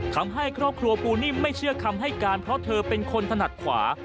ทำให้ครอบครัวปูนิ่มไม่เชื่อคำให้การเพราะเธอเป็นคนถนัดขวา